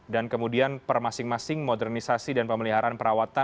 dan kemudian per masing masing modernisasi dan pemeliharaan perawatan